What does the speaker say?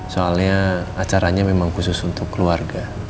soalnya acaranya memang khusus untuk keluarga